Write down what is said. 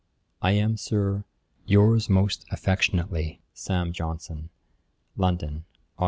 'I am, Sir, 'Yours most affectionately, 'SAM. JOHNSON.' 'London, Aug.